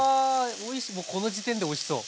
おおもうこの時点でおいしそう。